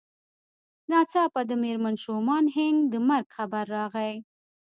ناڅاپه د مېرمن شومان هينک د مرګ خبر راغی.